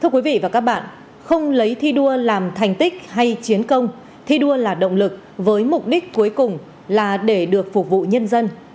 thưa quý vị và các bạn không lấy thi đua làm thành tích hay chiến công thi đua là động lực với mục đích cuối cùng là để được phục vụ nhân dân